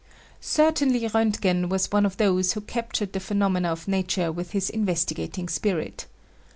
Certainly Roentgen was one of those who captured the phe nomena of nature with his investigating spirit.